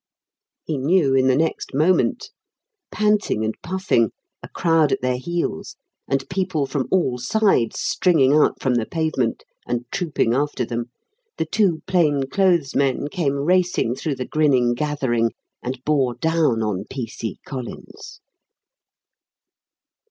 He knew in the next moment. Panting and puffing, a crowd at their heels, and people from all sides stringing out from the pavement and trooping after them, the two "plain clothes" men came racing through the grinning gathering and bore down on P.C. Collins.